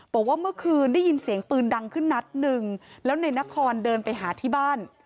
บอกว่าเมื่อคืนได้ยินเสียงปืนดังขึ้นนัดหนึ่งแล้วในนครเดินไปหาที่บ้าน